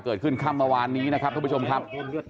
เกิดขึ้นข้ามวานนี้นะครับทุกผู้ชมครับ